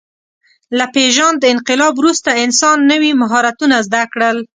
له پېژاند انقلاب وروسته انسان نوي مهارتونه زده کړل.